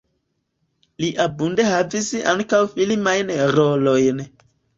Li abunde havis ankaŭ filmajn rolojn.